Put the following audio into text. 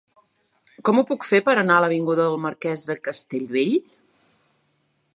Com ho puc fer per anar a l'avinguda del Marquès de Castellbell?